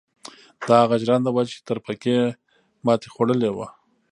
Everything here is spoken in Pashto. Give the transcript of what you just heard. دا هغه ژرنده وه چې تره پکې ماتې خوړلې وه.